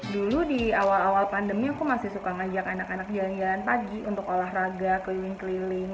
dulu di awal awal pandemi aku masih suka ngajak anak anak jalan jalan pagi untuk olahraga keliling keliling